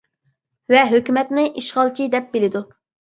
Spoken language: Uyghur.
ۋە ھۆكۈمەتنى ئىشغالچى دەپ بىلىدۇ.